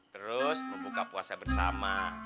terus membuka puasa bersama